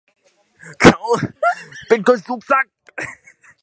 เขาเป็นคนสูงศักดิ์